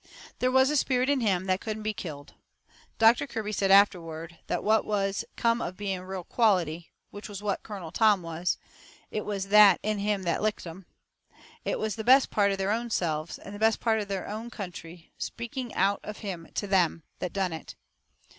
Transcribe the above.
There was a spirit in him that couldn't be killed. Doctor Kirby said afterward that was what come of being real "quality," which was what Colonel Tom was it was that in him that licked 'em. It was the best part of their own selves, and the best part of their own country, speaking out of him to them, that done it.